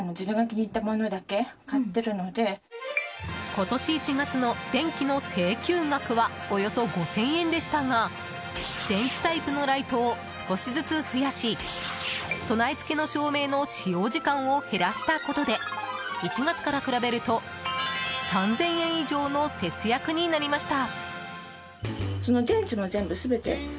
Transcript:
今年１月の電気の請求額はおよそ５０００円でしたが電池タイプのライトを少しずつ増やし備え付けの照明の使用時間を減らしたことで１月から比べると３０００円以上の節約になりました。